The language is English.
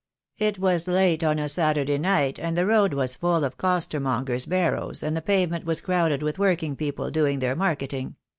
It was late on a Saturday night, and the road was full of costermongers' barrows, and the pavement was crowded with working people doing their marketing.